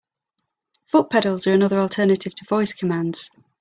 Foot pedals are another alternative to voice commands.